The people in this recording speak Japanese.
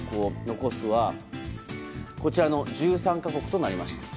残すはこちらの１３か国となりました。